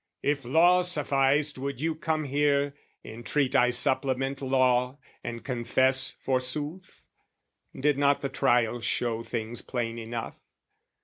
If Law sufficed would you come here, entreat I supplement law, and confess forsooth? Did not the Trial show things plain enough?